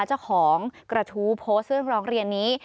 เจ้าของกระทู้โพสต์เรื่องร้องเรียนนี้